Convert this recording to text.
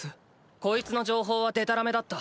こいつの情報はデタラメだった。